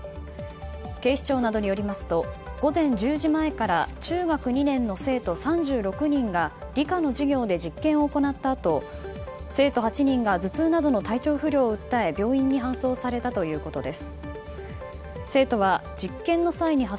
警視庁などによりますと午前１０時前から中学２年の生徒３６人が理科の授業で実験を行ったあと生徒８人が頭痛などの体調不良を訴え病院に搬送されたということです。